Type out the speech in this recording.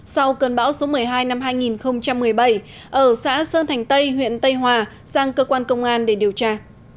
sau cơn bão số một mươi hai năm hai nghìn một mươi bảy ở xã sơn thành tây huyện tây hòa sang cơ quan công an để điều tra